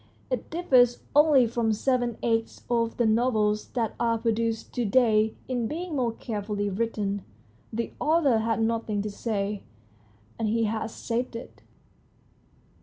It differs only from seven eighths of the novels that are produced to day in being more carefully written. The author had nothing to say, and he has said it."